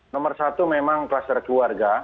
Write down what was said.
nomor satu memang kluster keluarga